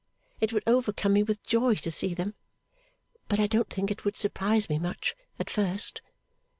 It would overcome me with joy to see them, but I don't think it would surprise me much, at first.